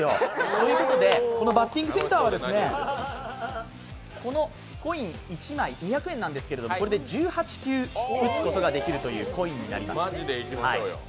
ということで、このバッティングセンターは、このコイン１枚２００円なんですけれどもこれで１８球打てるコインになります。